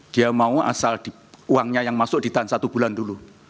dia mau asal uangnya yang masuk ditahan satu bulan dulu